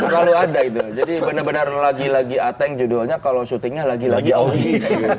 kalau ada gitu jadi bener bener lagi lagi ateng judulnya kalau syutingnya lagi lagi augie